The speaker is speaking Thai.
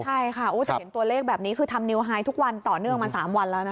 ใช่ค่ะจะเห็นตัวเลขแบบนี้คือทำนิวไฮทุกวันต่อเนื่องมา๓วันแล้วนะคะ